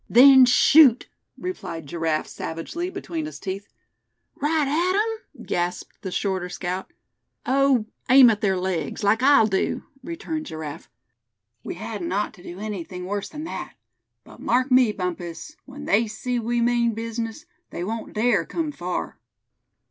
"Then shoot!" replied Giraffe, savagely, between his teeth. "Right at 'em?" gasped the shorter scout. "Oh! aim at their legs, like I'll do," returned Giraffe. "We'd hadn't ought to do anything worse than that. But mark me, Bumpus, when they see we mean business, they won't dare come far."